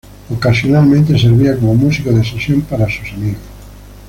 Ocasionalmente servía como músico de sesión para sus amigos.